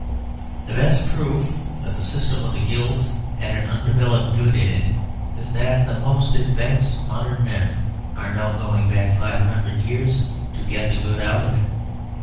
The best proof that the system of the guilds had an undeveloped good in it is that the most advanced modern men are now going back five hundred years to get the good out of it.